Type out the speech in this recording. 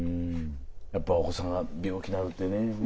やっぱお子さんが病気になるってね